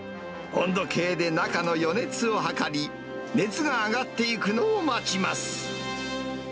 温度計で中の余熱を測り、熱が上がっていくのを待ちます。